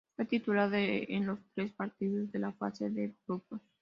Fue titular en los tres partidos de la fase de grupos.